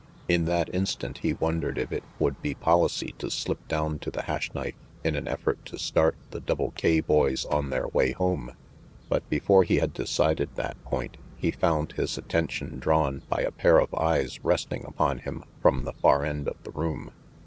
In that instant he wondered if it would be policy to slip down to the Hash Knife in an effort to start the Double K boys on their way home; but before he had decided that point he found his attention drawn by a pair of eyes resting upon him from the far end of the room.